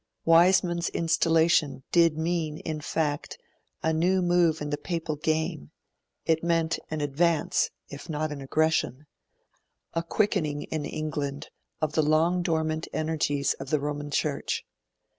Wiseman's installation did mean, in fact, a new move in the Papal game; it meant an advance, if not an aggression a quickening in England of the long dormant energies of the Roman Church.